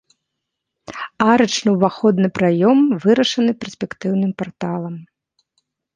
Арачны ўваходны праём вырашаны перспектыўным парталам.